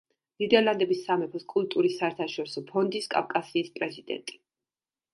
ნიდერლანდების სამეფოს კულტურის საერთაშორისო ფონდის „კავკასიის“ პრეზიდენტი.